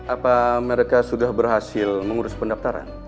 apa mereka sudah berhasil mengurus pendaftaran